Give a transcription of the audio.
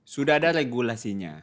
sudah ada regulasinya